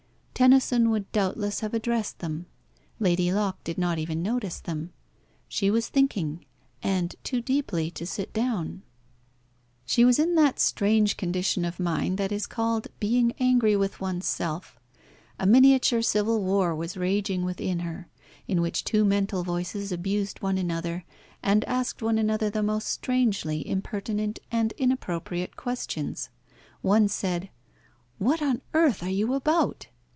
Tennyson would doubtless have addressed them. Lady Locke did not even notice them. She was thinking, and too deeply to sit down. She was in that strange condition of mind that is called being angry with one's self. A miniature civil war was raging within her, in which two mental voices abused one another, and asked one another the most strangely impertinent and inappropriate questions. One said, "What on earth are you about?"